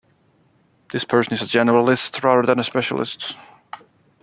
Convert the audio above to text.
This person is a generalist rather than a specialist.